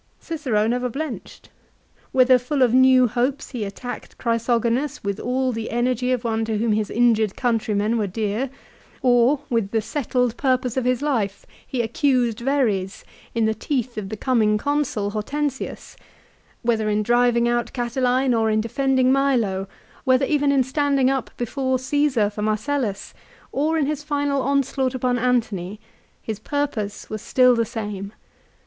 Cicero never blenched. Whether full of new hopes he attacked Chrysogonus with all the energy of one to whom his injured countrymen were dear, or, with the settled purpose of his life, he accused 156 LIFE OF CICERO. Verres in the teeth of the coming Consul Hortensius ; whether in driving out Catiline, or in defending Milo, whether even in standing up before Caesar for Marcellus, or in his final onslaught upon Antony, his purpose was still the same.